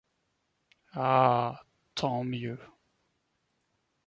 Ah, tant mieux !